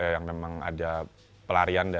yang memang ada pelarian